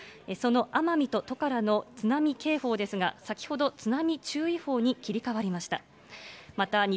その奄美とトカラの津波警報ですが、先ほど津波注意報に切り替わりました。